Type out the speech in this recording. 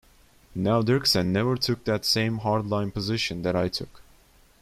Now, Dirksen never took that same hard-line position that I took.